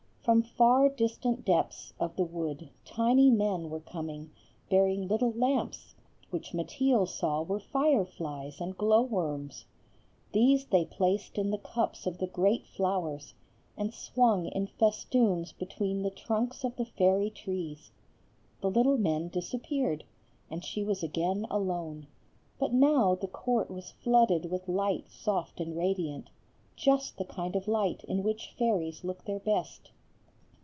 From far distant depths of the wood tiny men were coming, bearing little lamps, which Mateel saw were fireflies and glowworms; these they placed in the cups of the great flowers, and swung in festoons between the trunks of the fairy trees. The little men disappeared, and she was again alone; but now the court was flooded with light soft and radiant, just the kind of light in which fairies look their best.